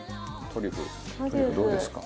トリュフトリュフどうですか？